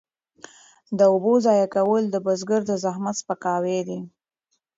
د اوبو ضایع کول د بزګر د زحمت سپکاوی دی.